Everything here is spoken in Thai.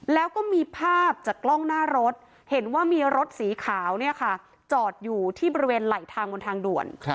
แล้วก็มีภาพจากกล้องหน้ารถเห็นว่ามีรถสีขาวจอดอยู่ที่บริเวณไหลทางบนทางด่วน